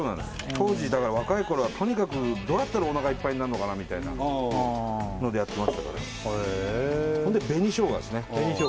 当時若い頃はとにかくどうやったらおなかいっぱいになんのかなみたいなのでやってましたから紅生姜ですね